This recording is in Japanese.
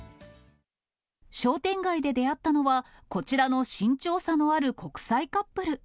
商店街で出会ったのは、こちらの身長差のある国際カップル。